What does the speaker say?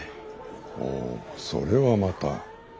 ほうそれはまた。